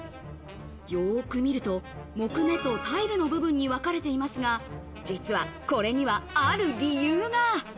よく見ると、木目とタイルの部分に分かれていますが、実はこれには、ある理由が。